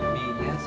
bicara sama suha